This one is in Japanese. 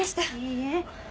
いいえ。